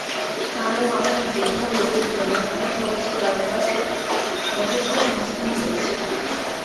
তার ও আপনার যে-কোন লোকের জন্য টাকা খরচ করবার যথেষ্ট সংস্থান রয়েছে।